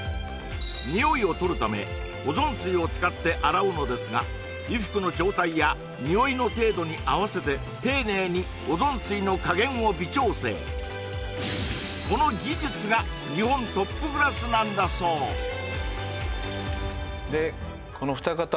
ニオイを取るためオゾン水を使って洗うのですが衣服の状態やニオイの程度に合わせて丁寧にオゾン水の加減を微調整この技術が日本トップクラスなんだそうというええ